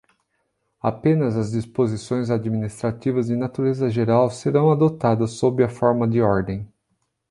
Apenas as disposições administrativas de natureza geral serão adotadas sob a forma de ordem.